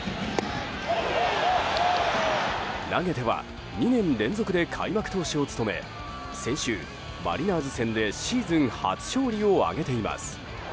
投げては２年連続で開幕投手を務め先週マリナーズ戦でシーズン初勝利を挙げています。